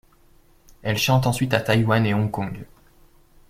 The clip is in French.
Elle chante ensuite à Taïwan et Hong Kong.